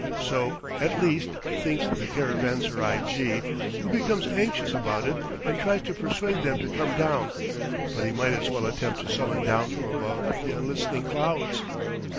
So, at least, thinks the caravanserai jee, who becomes anxious about it and tries to persuade them to come down; but he might as well attempt to summon down from above the unlistening clouds.